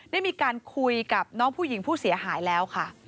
ได้มีการคุยกับน้องผู้หญิงผู้เสียหายแล้วค่ะ